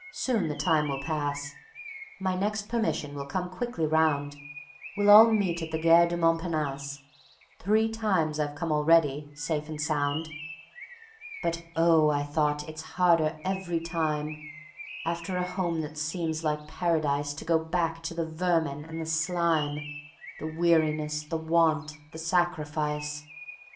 "Soon the time will pass; My next permission will come quickly round; We'll all meet at the Gare du Montparnasse; Three times I've come already, safe and sound." (But oh, I thought, it's harder every time, After a home that seems like Paradise, To go back to the vermin and the slime, The weariness, the want, the sacrifice.